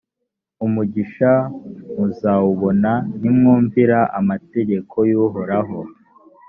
umugisha muzawubona nimwumvira amategeko y’uhoraho